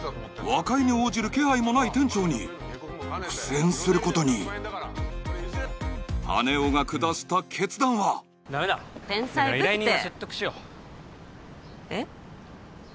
和解に応じる気配もない店長に苦戦することに羽男が下した決断は天才ぶってダメだ依頼人を説得しようえっ？